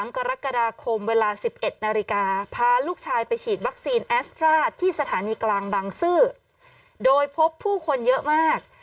กรกฎาคมเวลา๑๑นาฬิกาพาลูกชายไปฉีดวัคซีนแอสตราที่สถานีกลางบางซื่อโดยพบผู้คนเยอะมาก